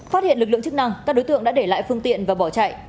phát hiện lực lượng chức năng các đối tượng đã để lại phương tiện và bỏ chạy